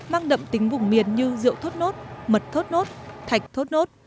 mang đậm tính vùng miền như rượu thốt nốt mật thốt nốt thạch thốt nốt